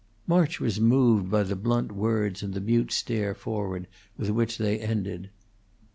March was moved by the blunt words and the mute stare forward with which they ended.